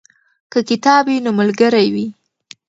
که کتاب وي نو ملګری وي.